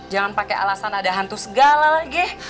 jangan pakai alasan ada hantu segala lagi